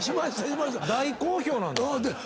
大好評なんですよ。